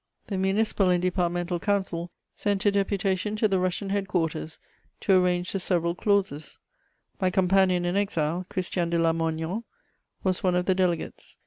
The Municipal and Departmental Council sent a deputation to the Russian head quarters to arrange the several clauses: my companion in exile, Christian de Lamoignon, was one of the delegates.